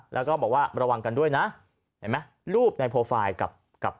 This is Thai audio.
แล้วก็บอกว่าระวังกันด้วยนะเห็นไหมรูปในโปรไฟล์กับกับ